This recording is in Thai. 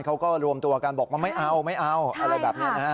เขาก็รวมตัวกันบอกว่าไม่เอาไม่เอาอะไรแบบนี้นะฮะ